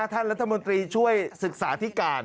ท่านรัฐมนตรีช่วยศึกษาธิการ